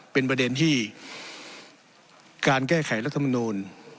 เป็นประเด็นที่การแก้ไขรัฐมนูล